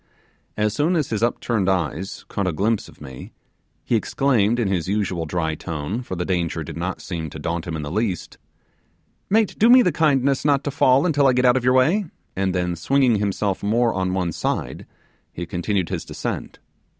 As soon as his upturned eyes caught a glimpse of me, he exclaimed in his usual dry tone, for the danger did not seem to daunt him in the least, 'Mate, do me the kindness not to fall until I get out of your way;' and then swinging himself more on one side, he continued his descent.